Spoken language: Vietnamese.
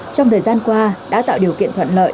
trong thời gian qua đã tạo điều kiện thuận lợi